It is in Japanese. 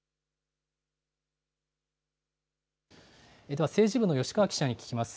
では政治部のよしかわ記者に聞きます。